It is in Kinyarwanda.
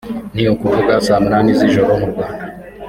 ni ukuvuga saa munani z’ijoro mu Rwanda